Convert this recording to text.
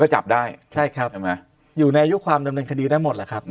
ก็จับได้ใช่ครับอยู่ในยุคความดำเนินคดีได้หมดหรือครับมี